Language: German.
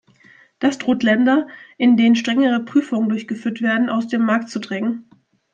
Das droht Länder, in denen strengere Prüfungen durchgeführt werden, aus dem Markt zu drängen.